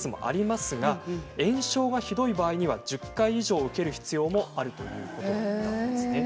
数回で改善することもありますが炎症がひどい場合は１０回以上受ける必要もあるということです。